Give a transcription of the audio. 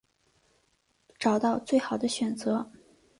找到最好的选择